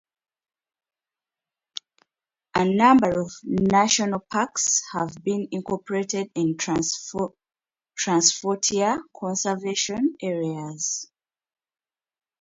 A number of national parks have been incorporated in transfrontier conservation areas.